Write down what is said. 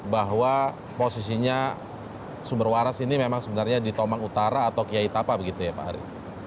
bahwa posisinya sumber waras ini memang sebenarnya di tomang utara atau kiai tapa begitu ya pak hari